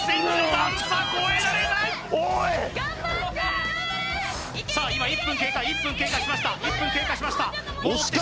・頑張ってさあ今１分経過１分経過しました１分経過しました